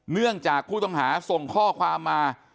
เนื่องจากผู้ต้องหาส่งข้อความมา